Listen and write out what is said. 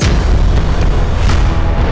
ibu pasti pengen tahu soal aku